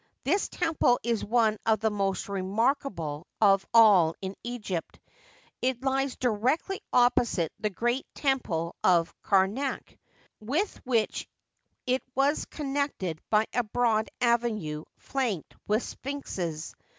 This temple is one of the most remark able in all Eg^pt. It lies directly opposite the g^eat temple of Kamak, with which it was connected by a broad avenue flanked with sphinxes.